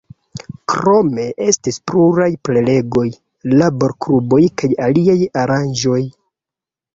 Krome estis pluraj prelegoj, laborgrupoj kaj aliaj aranĝoj.